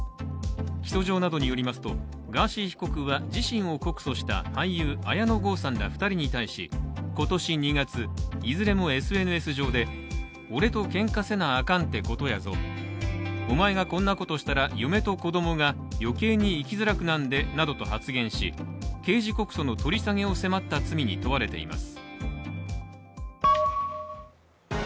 起訴状などによりますとガーシー被告は自身を告訴した俳優・綾野剛さんら２人に対し今年２月、いずれもＳＮＳ上で俺とけんかせなあかんってことやぞ、おまえがこんなことしたら嫁と子供が余計に生きづらくなんでなどと発言し刑事告訴の取り下げを迫った罪に問われています。